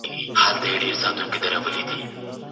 خیال په زلفو زنګومه زولنو ته مي زړه کیږي